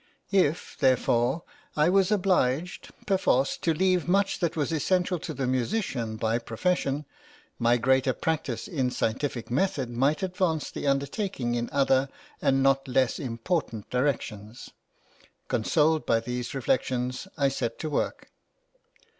If, therefore, I was obliged, perforce, to leave much that was essential to the musician by profession, my greater practice in scientific method might advance the undertaking in other and not less important directions. Consoled by these reflections, I set to work.